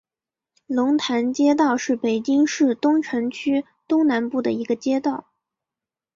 龙潭街道是北京市东城区东南部的一个街道。